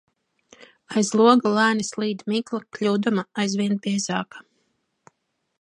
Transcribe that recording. Aiz loga lēni slīd migla, kļūdama aizvien biezāka.